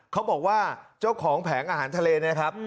เขาบอกว่าเจ้าของแผงอาหารทะเลนะครับ